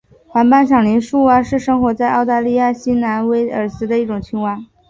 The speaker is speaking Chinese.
黄斑响铃树蛙是生活在澳大利亚新南威尔斯的一种青蛙。